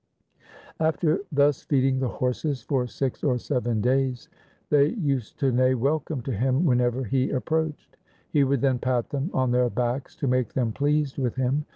After thus feeding the horses for six or seven days, they used to neigh welcome to him whenever he approached. He would then pat them on their backs to make them pleased with him.